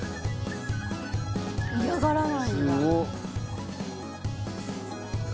「嫌がらないんだ」